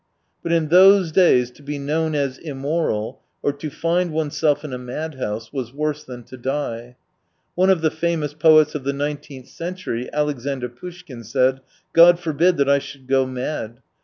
But in those days, to be Icnown as immoral, or to find oneself in a mad house, was worse thaii to die. One of the famous poets of the nineteenth century, Alexander Poushkin, said :' God forbid that I should go mad.